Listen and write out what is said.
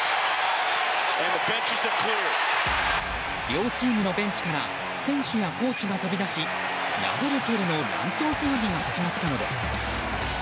両チームのベンチから選手やコーチが飛び出し殴る蹴るの乱闘騒ぎが始まったのです。